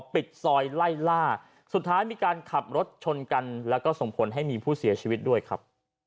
ปิดซอยไล่ล่าสุดท้ายมีการขับรถชนกันแล้วก็ส่งผลให้มีผู้เสียชีวิตด้วยครับ